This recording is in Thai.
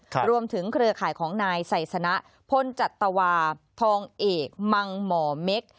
รวมถึงเครือข่ายของนายไซสนะพลจัตวาทองเอกมังหมอเม็ก